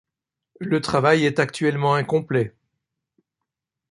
Le travail est actuellement incomplet.